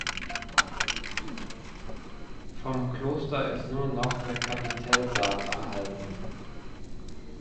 Vom Kloster ist nur noch der Kapitelsaal erhalten.